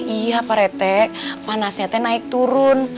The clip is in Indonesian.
iya pak rt panasnya t naik turun